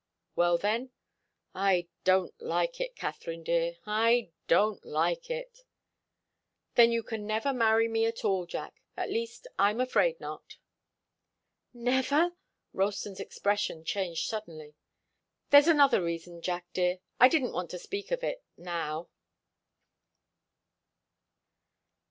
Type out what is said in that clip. "Well, then?" "I don't like it, Katharine dear I don't like it." "Then you can never marry me at all, Jack. At least, I'm afraid not." "Never?" Ralston's expression changed suddenly. "There's another reason, Jack dear. I didn't want to speak of it now."